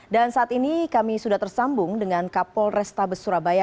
dan saat ini kami sudah tersambung dengan kapol restabes surabaya